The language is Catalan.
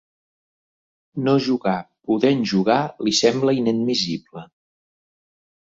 No jugar, podent jugar, li sembla inadmissible.